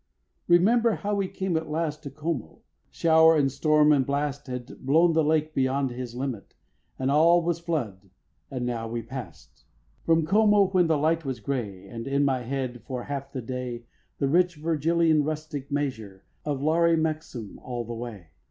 Remember how we came at last To Como; shower and storm and blast Had blown the lake beyond his limit, And all was flooded; and how we past From Como, when the light was gray, And in my head, for half the day, The rich Virgilian rustic measure Of Lari Maxume, all the way.